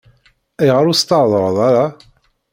Ayɣer ur s-thedreḍ ara?